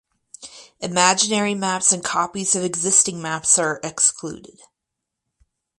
Imaginary maps and copies of existing maps are excluded.